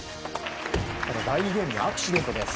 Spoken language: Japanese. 第２ゲームで、アクシデントです。